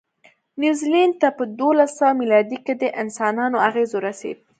نیوزیلند ته په دوولسسوه مېلادي کې د انسانانو اغېز ورسېد.